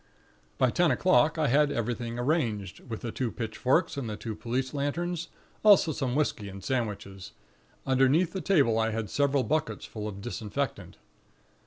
"By ten o'clock, I had everything arranged, with the two pitchforks and the two police lanterns; also some whisky and sandwiches. Underneath the table I had several buckets full of disinfectant.